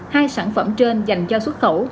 hai sản phẩm trên dành cho xuất khẩu